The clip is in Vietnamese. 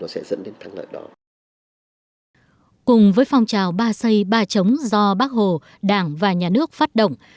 xây ba chống do bác hồ đảng và nhà nước phát động